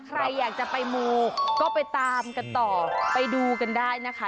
ใครอยากจะไปมูก็ไปตามกันต่อไปดูกันได้นะคะ